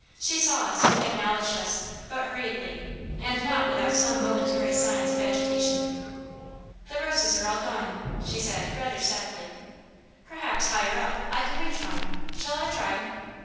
She saw us, acknowledged us, but hurriedly, and not without some momentary signs of agitation. "The roses are all gone," she said rather sadly. "Perhaps, higher up, I can reach one shall I try?"